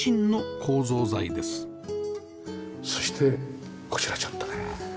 そしてこちらちょっとね